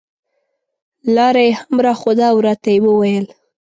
لاره یې هم راښوده او راته یې وویل.